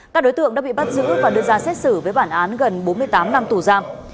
các đối tượng đã bị bắt giữ và đưa ra xét xử với bản án gần bốn mươi tám năm tù giam